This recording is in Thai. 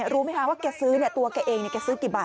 รู้มั้ยคะว่าแกซื้อตัวเองที่แกซื้อกี่ใบ